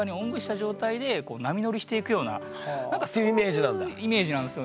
そういうイメージなんですよね。